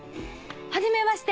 はじめまして！